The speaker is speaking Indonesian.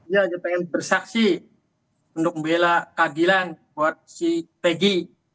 ya dia pengen bersaksi untuk membela keadilan buat si peggy